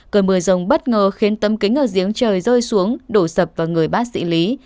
cơn mưa rông bất ngờ khiến tấm kính ở giếng trời rơi xuống đổ sập vào người bác sĩ lý